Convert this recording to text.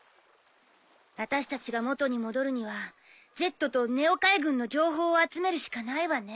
私たちが元に戻るにはＺとＮＥＯ海軍の情報を集めるしかないわね。